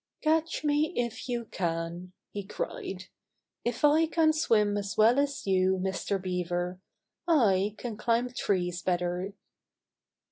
"Catch me, if you can!" he cried. "If I can't swim as well as you, Mr. Beaver, I can climb trees better."